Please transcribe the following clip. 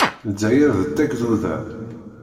Lezzayer d tagduda.